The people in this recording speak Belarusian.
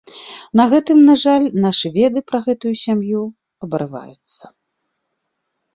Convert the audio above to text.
На гэтым, на жаль, нашы веды пра гэтую сям'ю абрываюцца.